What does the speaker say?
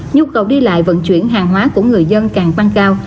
nhu cầu đi lại vận chuyển hàng hóa của người dân càng tăng cao